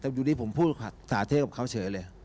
แต่อยู่ดีผมพูดภาษาเทพกับเขาเฉยเลย